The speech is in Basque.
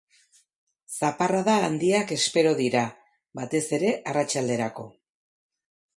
Zaparrada handiak espero dira, batez ere arratsalderako.